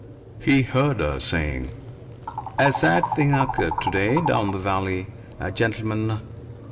He heard her saying: "A sad thing occurred to day down the valley. A gentleman....